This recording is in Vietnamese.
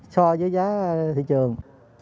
so với giá thị trường